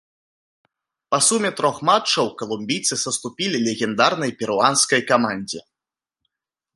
Па суме трох матчаў калумбійцы саступілі легендарнай перуанскай камандзе.